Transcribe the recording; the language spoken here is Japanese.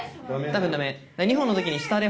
多分ダメ。